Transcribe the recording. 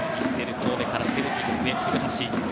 神戸からセルティックへ移籍した古橋。